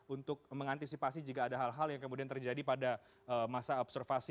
untuk mengantisipasi jika ada hal hal yang kemudian terjadi pada masa observasi